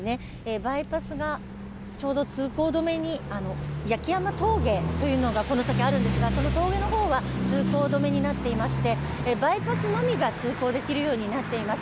バイパスがちょうど通行止めに、八木山峠というのがあるんですがその峠の方が通行止めになっていまして、バイパスのみが通行できるようになっています。